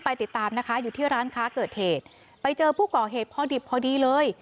ติดตามนะคะอยู่ที่ร้านค้าเกิดเหตุไปเจอผู้ก่อเหตุพอดิบพอดีเลย